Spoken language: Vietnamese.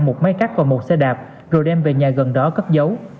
một máy cắt và một xe đạp rồi đem về nhà gần đó cất dấu